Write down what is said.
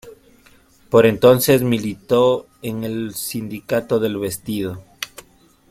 Por entonces militó en el Sindicato del Vestido.